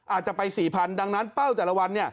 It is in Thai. อาจจะไป๔๐๐ดังนั้นเป้าแต่ละวัน